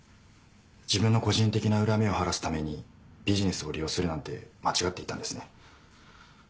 自分の個人的な恨みを晴らすためにビジネスを利用するなんて間違っていたんですね。